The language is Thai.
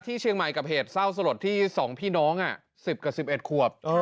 ที่เชียงใหม่กับเหตุเศร้าสลดที่สองพี่น้องสิบกับสิบเอ็ดขวบ